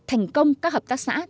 thành công các hợp tác sản